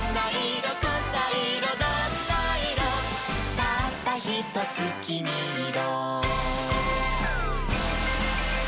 「たったひとつきみイロ」